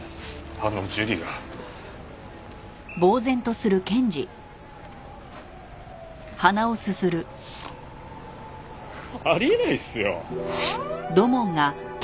あの樹里が。あり得ないっすよ。